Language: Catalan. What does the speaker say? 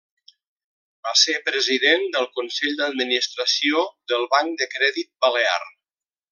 Va ser President del Consell d'Administració del Banc de Crèdit Balear.